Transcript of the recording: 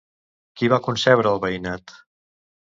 Qui va concebre el veïnat?